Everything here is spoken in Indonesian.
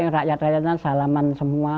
rakyat rakyatnya salaman semua